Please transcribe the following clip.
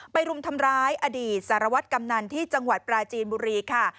รุมทำร้ายอดีตสารวัตรกำนันที่จังหวัดปราจีนบุรีค่ะ